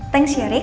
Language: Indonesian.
thanks ya rick